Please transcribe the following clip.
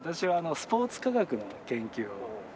私はスポーツ科学の研究をしています。